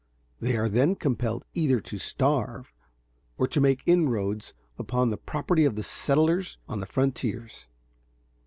They are then compelled either to starve or to make inroads upon the property of the settlers on the frontiers.